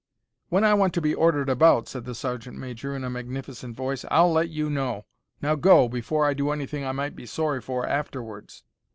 "When I want to be ordered about," said the sergeant major, in a magnificent voice, "I'll let you know. Now go, before I do anything I might be sorry for afterwards."